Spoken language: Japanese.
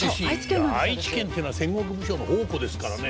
いや愛知県っていうのは戦国武将の宝庫ですからね。